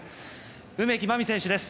梅木真美選手です。